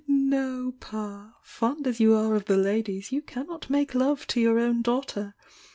"No, Pa! Fond as you are of the ladies, you can not make love to your own daughter!